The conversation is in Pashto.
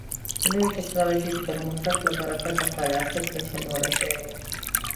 د نوو ټکنالوژیو د پرمختګ له برکته د خلاقیت کچه لوړه شوې ده.